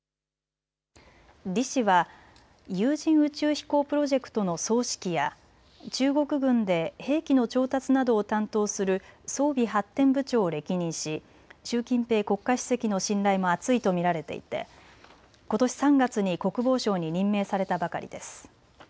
李氏は有人宇宙飛行プロジェクトの総指揮や中国軍で兵器の調達などを担当する装備発展部長を歴任し習近平国家主席の信頼も厚いと見られていてことし３月に国防相に任命されたばかりです。